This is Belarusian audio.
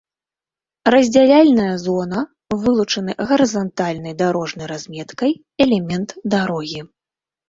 Раздзяляльная зона — вылучаны гарызантальнай дарожнай разметкай элемент дарогі